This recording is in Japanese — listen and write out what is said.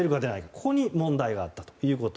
ここに問題があったということ。